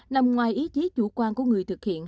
nằm ngoài ý chí chủ quan của người thực hiện